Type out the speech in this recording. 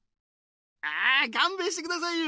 あかんべんしてくださいよ。